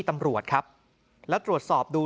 ตำรวจครับแล้วตรวจสอบดู